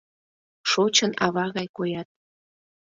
Шочын ава гай коят!